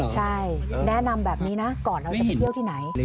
ใช่แนะนำแบบนี้นะก่อนเราจะไปเที่ยวที่ไหน